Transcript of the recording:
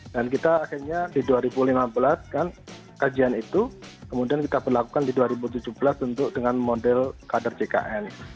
dan kita akhirnya di dua ribu lima belas kan kajian itu kemudian kita berlakukan di dua ribu tujuh belas untuk dengan model kader ckn